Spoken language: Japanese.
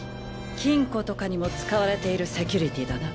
金庫とかにも使われているセキュリティーだな。